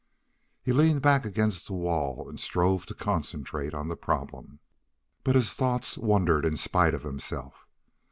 He leaned back against the wall and strove to concentrate on the problem, but his thoughts wandered in spite of himself.